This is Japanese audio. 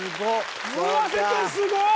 村瀬君すごい！